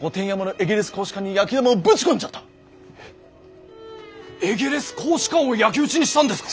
エゲレス公使館を焼き討ちにしたんですか？